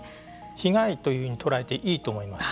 被害というふうに捉えていいと思います。